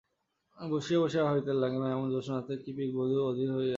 আমি বসিয়া বসিয়া ভাবিতে লাগিলাম, এমন জ্যোৎস্নারাত্রেও কি পিকবধূ বধির হইয়া আছে।